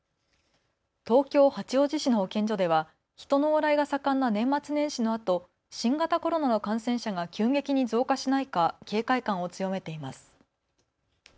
東京八王子市の保健所では人の往来が盛んな年末年始のあと新型コロナの感染者が急激に増加しないか警戒感を強めています。